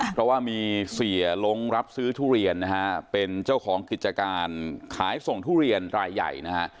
เพราะว่ามีเสียลงรับซื้อทุเรียนนะฮะเป็นเจ้าของกิจการขายส่งทุเรียนรายใหญ่นะฮะ